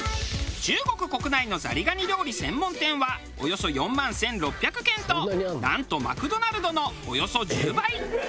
中国国内のザリガニ料理専門店はおよそ４万１６００軒となんとマクドナルドのおよそ１０倍。